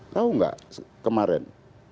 tahu enggak kemarin